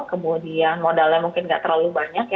kemudian modalnya mungkin nggak terlalu banyak